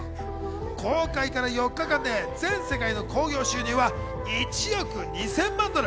公開から４日間で全世界の興行収入は１億２０００万ドル。